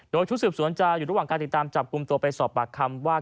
โดยชุดสืบสวนจะอยู่ระหว่างการติดตามจับกลุ่มตัวไปสอบปากคำว่า